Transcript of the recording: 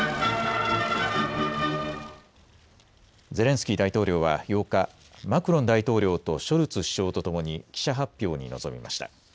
ゼレンスキー大統領は８日、マクロン大統領とショルツ首相とともに記者発表に臨みました。